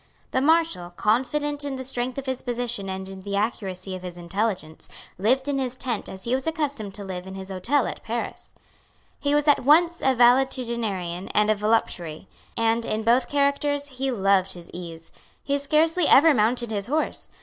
The Marshal, confident in the strength of his position and in the accuracy of his intelligence, lived in his tent as he was accustomed to live in his hotel at Paris. He was at once a valetudinarian and a voluptuary; and, in both characters, he loved his ease. He scarcely ever mounted his horse.